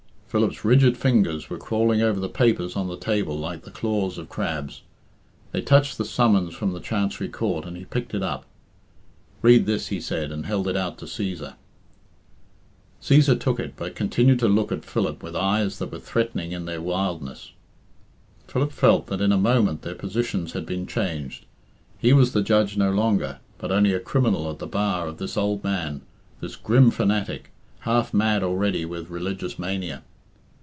Philip's rigid fingers were crawling over the papers on the table like the claws of crabs. They touched the summons from the Chancery Court, and he picked it up. "Read this," he said, and held it out to Cæsar. Cæsar took it, but continued to look at Philip with eyes that were threatening in their wildness. Philip felt that in a moment their positions had been changed. He was the judge no longer, but only a criminal at the bar of this old man, this grim fanatic, half mad already with religious mania.